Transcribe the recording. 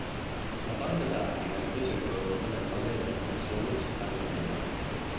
La banca dati era invece riprodotta nel Palais des Nations a Ginevra.